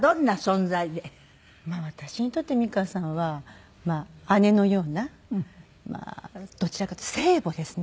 私にとって美川さんは姉のようなどちらかというと聖母ですね。